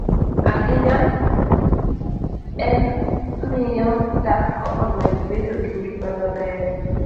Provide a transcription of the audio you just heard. ahinya e miyo dhako omed bedo gi ngima maber,